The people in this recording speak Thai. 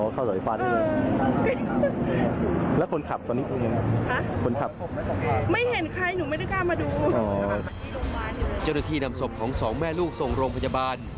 เจ้าหน้าที่นำศพของสองแม่ลูกส่งโรงพยาบาล